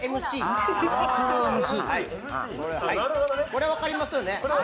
これ、分かりますよね。